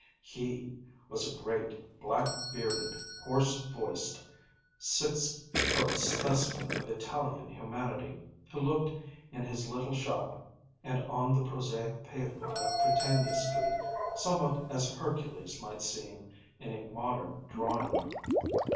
He was a great, black bearded, hoarse voiced, six foot specimen of Italian humanity, who looked in his little shop and on the prosaic pavement of Prytania Street somewhat as Hercules might seem in a modern drawing room.